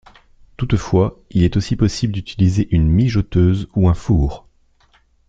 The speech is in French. Toutefois, il est aussi possible d'utiliser une mijoteuse ou un four.